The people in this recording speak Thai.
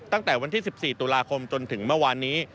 ตั้งแต่วันที่๑๔ตุลาคมจนถึงเมื่อวานนี้